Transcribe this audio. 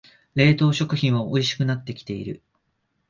冷凍食品はおいしくなってきてる